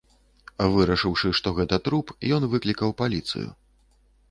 Вырашыўшы, што гэта труп, ён выклікаў паліцыю.